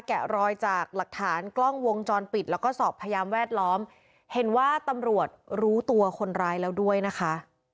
แกะรอยจากหลักฐานกล้องวงจรปิดแล้วก็สอบพยานแวดล้อมเห็นว่าตำรวจรู้ตัวคนร้ายแล้วด้วยนะคะ